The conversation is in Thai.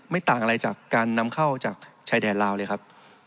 ต่างอะไรจากการนำเข้าจากชายแดนลาวเลยครับ